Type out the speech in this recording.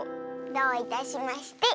どういたしまして。